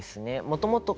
もともと。